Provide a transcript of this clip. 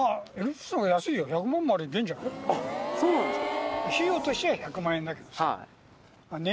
そうなんですか。